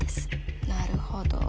なるほど。